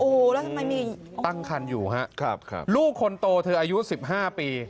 โอ้โหแล้วทำไมมีตั้งคันอยู่ฮะครับลูกคนโตเธออายุ๑๕ปี